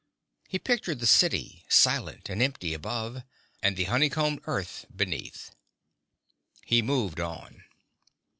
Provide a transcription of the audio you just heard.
He pictured the city, silent and empty above, and the honey combed earth beneath. He moved on.